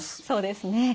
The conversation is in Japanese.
そうですね。